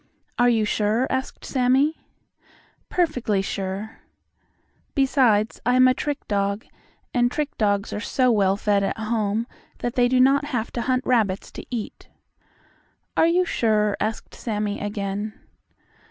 "Are you sure?" asked Sammie. "Perfectly sure. Besides, I am a trick dog, and trick dogs are so well fed at home that they do not have to hunt rabbits to eat." "Are you sure?" asked Sammie again.